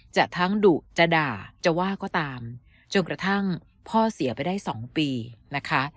จะทั้งดุจะด่าจะว่าก็ตามจนกระทั่งพ่อเสียไปได้๒ปีนะคะ